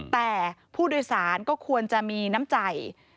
แต่ผู้โดยสารก็ควรจะมีน้ำใจ